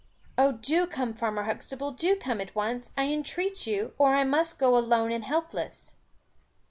"Oh do come, farmer Huxtable, do come at once, I entreat you; or I must go alone and helpless."